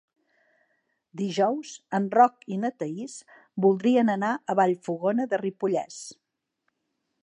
Dijous en Roc i na Thaís voldrien anar a Vallfogona de Ripollès.